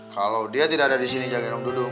kalau dia tidak ada di sini jagain om dudung